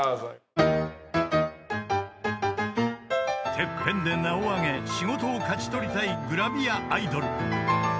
［『ＴＥＰＰＥＮ』で名を上げ仕事を勝ち取りたいグラビアアイドル］